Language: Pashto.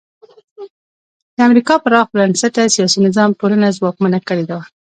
د امریکا پراخ بنسټه سیاسي نظام ټولنه ځواکمنه کړې وه.